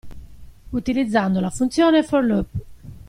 Utilizzando la funzione For Loop.